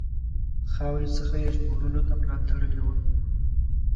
خاورې څخه یې ژغورلو ته ملا تړلې وه.